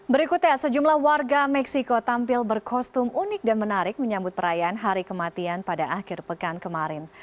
berikutnya sejumlah warga meksiko tampil berkostum unik dan menarik menyambut perayaan hari kematian pada akhir pekan kemarin